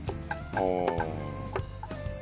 ああ。